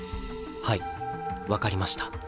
はい分かりました。